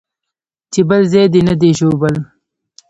چې بل ځاى دې نه دى ژوبل.